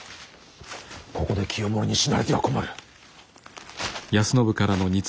ここで清盛に死なれては困る。